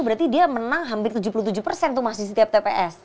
berarti dia menang hampir tujuh puluh tujuh di setiap tps